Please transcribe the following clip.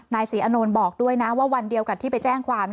นายศรีอนนท์บอกด้วยนะว่าวันเดียวกับที่ไปแจ้งความ